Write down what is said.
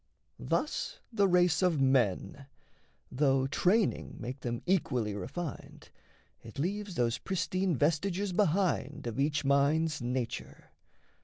Thus the race of men: Though training make them equally refined, It leaves those pristine vestiges behind Of each mind's nature.